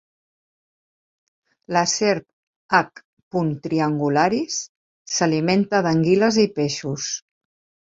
La serp "H. triangularis" s'alimenta d'anguiles i peixos.